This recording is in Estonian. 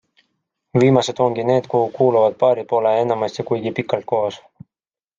Viimased ongi need, kuhu kuuluvad paarid pole enamasti kuigi pikalt koos.